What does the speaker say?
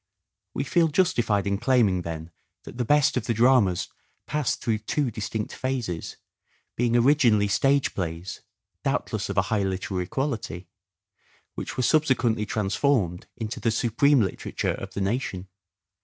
We feel justified in claiming then that the best of the dramas passed through two distinct phases, being originally stage plays — doubtless of a high literary quality — which were subsequently transformed into the supreme literature of the nation.